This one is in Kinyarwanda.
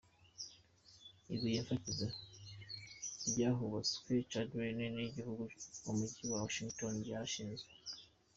Ibuye mfatizo ry’ahubatswe Cathedral nini y’igihugu mu mujyi wa Washington ryarashinzwe.